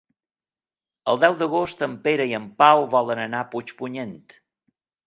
El deu d'agost en Pere i en Pau volen anar a Puigpunyent.